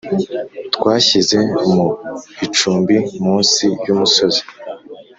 twashyize mu icumbi munsi yumusozi.